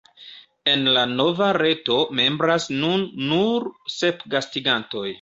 En la nova reto membras nun nur sep gastigantoj.